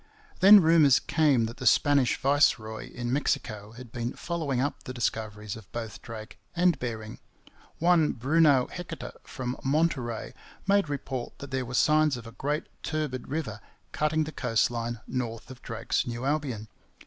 Then rumours came that the Spanish viceroy in Mexico had been following up the discoveries of both Drake and Bering. One Bruno Heceta from Monterey made report that there were signs of a great turbid river cutting the coast line north of Drake's New Albion.